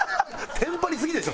テンパりすぎでしょ